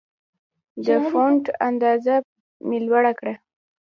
د فونټ اندازه مې لوړه کړه.